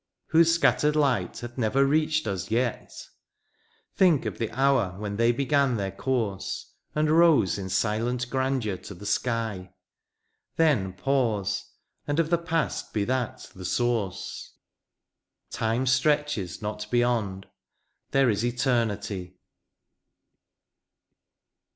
Whose scattered light hath never reached us yet ! Think of the hour when they began their course, And rose in silent grandeur to the sky ; Then pause — and of the past be that the source — Time stretches not beyond — there is Eternity